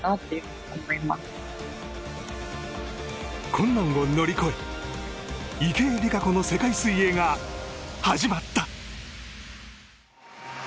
困難を乗り越え池江璃花子の世界水泳が始まった。